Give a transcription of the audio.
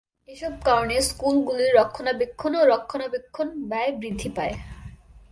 এসব কারণে স্কুলগুলির রক্ষণাবেক্ষণ ও রক্ষণাবেক্ষণ ব্যয় বৃদ্ধি পায়।